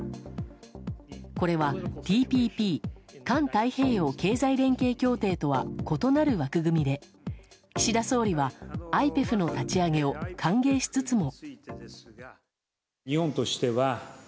これはＴＰＰ・環太平洋経済連携協定とは異なる枠組みで岸田総理はＩＰＥＦの立ち上げを歓迎しつつも。